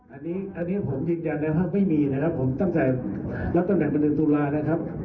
อันนี้ผมจริงจันนะครับไม่มีนะครับตั้งแต่ลักษณะเป็นตุลานะครับ